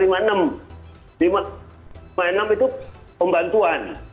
lima puluh enam itu pembantuan